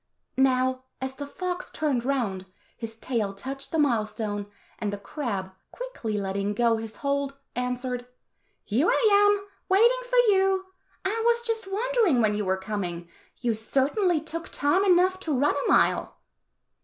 Now, as the fox turned round, his tail touched the mile stone, and the crab, quickly letting go his hold, answered, "Here I am, waiting for you. I was just wondering when you were coming; you certainly took time enough to run a mile."